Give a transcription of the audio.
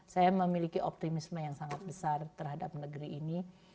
saya memiliki optimisme yang sangat besar terhadap negeri ini